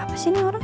siapa sih ini orang